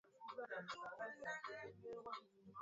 kutokana na kuiuzia Kenya bidhaa zake katika mwezi huo huo